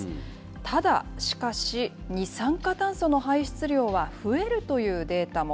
ただ、しかし、二酸化炭素の排出量は増えるというデータも。